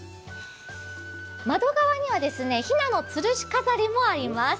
窓側には、ひなのつるし飾りもあります。